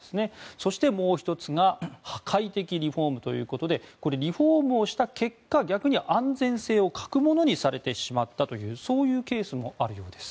そして、もう１つが破壊的リフォームということでこれ、リフォームをした結果逆に安全性を欠くものにされてしまったというそういうケースもあるようです。